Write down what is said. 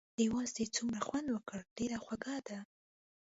دې وازدې څومره خوند وکړ، ډېره خوږه ده.